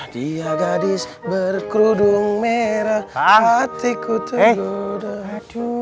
dia gadis berkerudung merah hatiku terguduh